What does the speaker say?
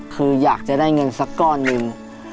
คืออยากจะได้เงินสักก้อนหนึ่ง